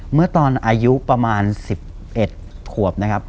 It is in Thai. เมื่อตอนอายุประมาณ๑๑ขวบนะครับ